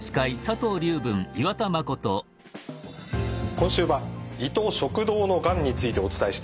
今週は胃と食道のがんについてお伝えしています。